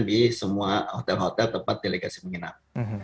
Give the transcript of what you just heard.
di semua hotel hotel tempat delegasi menginap